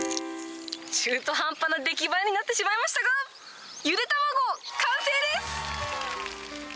中途半端な出来栄えになってしまいましたが、ゆで卵、完成です。